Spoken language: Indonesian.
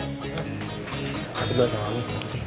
nanti balik sama mami